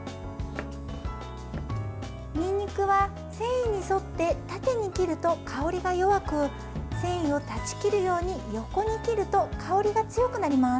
にんにくは繊維に沿って縦に切ると香りが弱く繊維を断ち切るように横に切ると香りが強くなります。